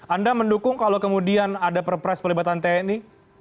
anda mendukung kalau kemudian ada perpres pelibatan tni